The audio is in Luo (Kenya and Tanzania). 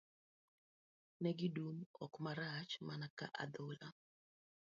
Ne gidum tik marach mana ka adhola